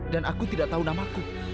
dan aku tidak tahu namaku